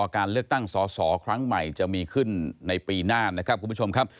การเลือกตั้งสอสอครั้งใหม่จะมีขึ้นในปีหน้านะครับคุณผู้ชมครับ